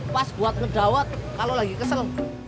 pas buat ngedawat kalau lagi kesel